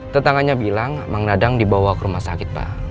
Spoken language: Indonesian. tetangganya bilang mang nadang dibawa ke rumah sakit pak